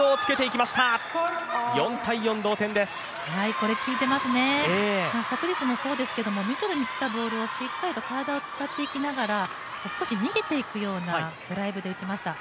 これ、効いていますね、昨日もそうですけど、ミドルにきたボールを体しっかりとつくっていきながら少し逃げていくようなドライブで打ちました。